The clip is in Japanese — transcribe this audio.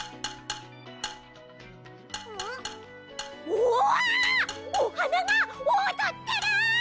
おはながおどってる！